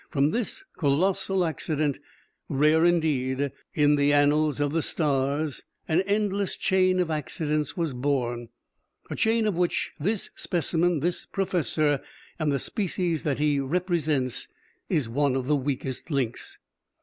From this colossal accident, rare, indeed, in the annals of the stars, an endless chain of accidents was born, a chain of which this specimen, this professor, and the species that he represents, is one of the weakest links.